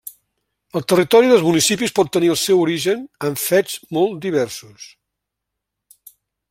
El territori dels municipis pot tenir el seu origen en fets molt diversos.